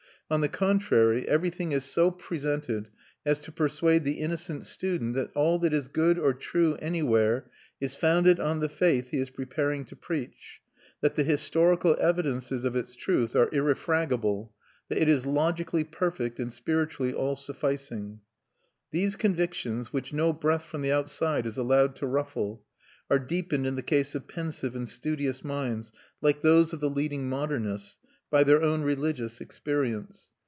On the contrary, everything is so presented as to persuade the innocent student that all that is good or true anywhere is founded on the faith he is preparing to preach, that the historical evidences of its truth are irrefragable, that it is logically perfect and spiritually all sufficing. These convictions, which no breath from the outside is allowed to ruffle, are deepened in the case of pensive and studious minds, like those of the leading modernists, by their own religious experience.